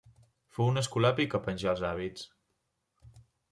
Fou un escolapi que penjà els hàbits.